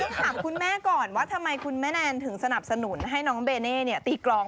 ถามคุณแม่ก่อนว่าทำไมคุณแม่แนนถึงสนับสนุนให้น้องเบเน่ตีกรอง